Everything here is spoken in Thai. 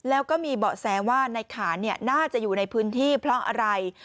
แล้วก็มีเบาะแสว่าในขานน่าจะอยู่ในพื้นที่เพราะอะไร